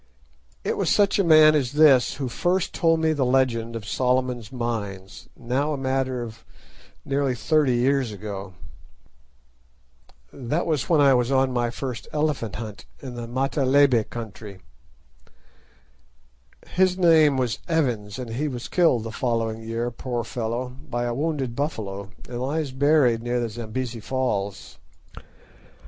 It was such a man as this who first told me the legend of Solomon's Mines, now a matter of nearly thirty years ago. That was when I was on my first elephant hunt in the Matabele country. His name was Evans, and he was killed the following year, poor fellow, by a wounded buffalo, and lies buried near the Zambesi Falls.